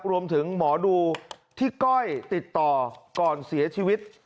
หมอดูที่ก้อยติดต่อก่อนเสียชีวิต